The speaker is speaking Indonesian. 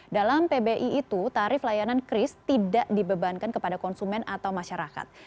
dalam pbi itu tarif layanan kris tidak dibebankan kepada konsumen atau masyarakat